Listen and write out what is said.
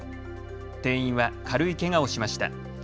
店員は軽いけがをしました。